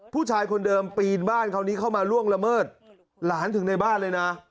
ผู้ชายคนเดิมปีนบ้านคราวนี้เข้ามาล่วงละเมิดหลานถึงในบ้านเลยนะ